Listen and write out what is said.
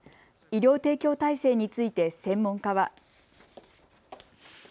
医療提供体制について専門家は。